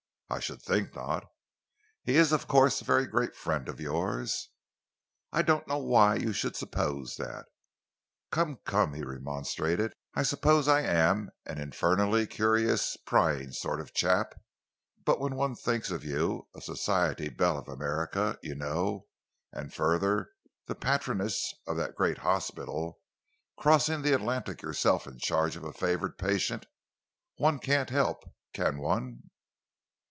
"I should think not." "He is, of course, a very great friend of yours?" "I don't know why you should suppose that." "Come, come," he remonstrated, "I suppose I am an infernally curious, prying sort of chap, but when one thinks of you, a society belle of America, you know, and, further, the patroness of that great hospital, crossing the Atlantic yourself in charge of a favoured patient, one can't help can one?"